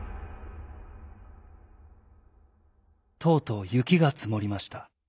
とうとうゆきがつもりました。